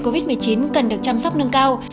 covid một mươi chín cần được chăm sóc nâng cao